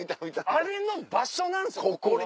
あれの場所なんですここが。